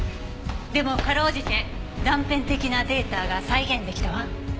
でもかろうじて断片的なデータが再現出来たわ。